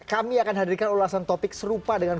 kami akan hadirkan ulasan topik serupa dengan